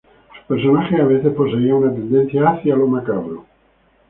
Sus personajes a veces poseían una tendencia hacia lo macabro.